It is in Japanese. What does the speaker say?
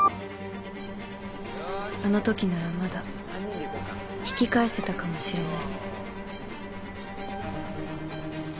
あの時ならまだ引き返せたかもしれない